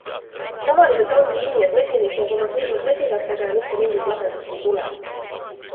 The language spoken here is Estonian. Tavaliselt ongi nii, et mesinik jääb oma surnud mesilastega ja mitte mingit lahendust ei tule.